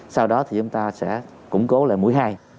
sau đó thì chúng ta sẽ củng cố lại mũi hai